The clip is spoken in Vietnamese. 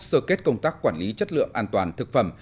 sơ kết công tác quản lý chất lượng an toàn thực phẩm